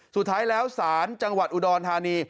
สุดท้ายแล้วศาลจังหวัดอุดรธานี